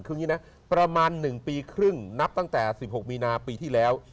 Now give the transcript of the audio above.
คืออย่างนี้นะประมาณ๑ปีครึ่งนับตั้งแต่๑๖มีนาปีที่แล้ว